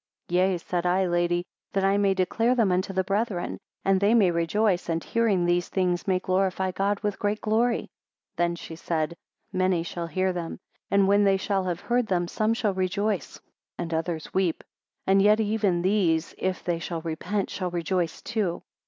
Yea, said I, lady, that I may declare them unto the brethren, and they may rejoice, and hearing these things may glorify God with great glory. 35 Then she said, Many indeed shall hear them, and when they shall have heard them, some shall rejoice, and others weep. And yet even these, if they shall repent, shall rejoice too.